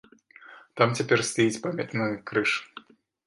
Там цяпер стаіць памятны крыж.